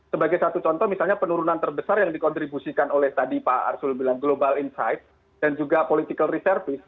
sebagai satu contoh misalnya penurunan terbesar yang dikontribusikan oleh tadi pak arsul bilang global insight dan juga political reservice